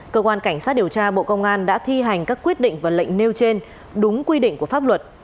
cơ quan cảnh sát điều tra bộ công an đã thi hành các quyết định và lệnh nêu trên đúng quy định của pháp luật